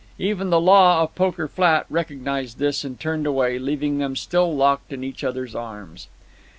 Even the law of Poker Flat recognized this, and turned away, leaving them still locked in each other's arms.